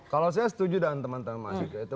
kalau saya setuju dengan teman teman mas jokowi itu